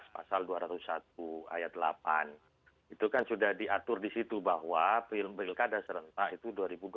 pasal dua ratus satu ayat delapan itu kan sudah diatur di situ bahwa pilkada serentak itu dua ribu dua puluh